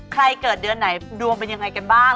เกิดเดือนไหนดวงเป็นยังไงกันบ้าง